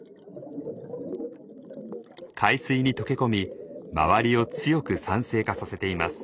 海水に溶け込み周りを強く酸性化させています。